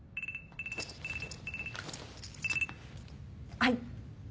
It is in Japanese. はい。